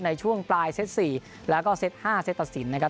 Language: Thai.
ในช่วงปลายเซต๔แล้วก็เซต๕เซตตัดสินนะครับ